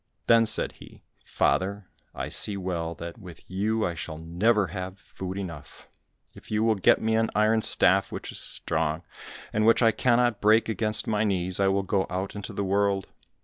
Then said he, "Father, I see well that with you I shall never have food enough; if you will get me an iron staff which is strong, and which I cannot break against my knees, I will go out into the world."